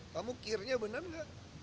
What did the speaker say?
kamu kirnya benar nggak